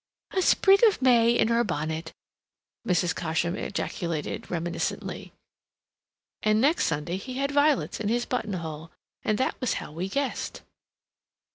"A sprig of May in her bonnet," Mrs. Cosham ejaculated, reminiscently. "And next Sunday he had violets in his buttonhole. And that was how we guessed."